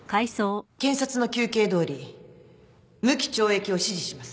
検察の求刑どおり無期懲役を支持します